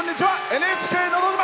「ＮＨＫのど自慢」。